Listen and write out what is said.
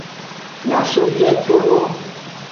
Mia so vie trolo.